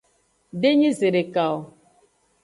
Denyi zedeka o.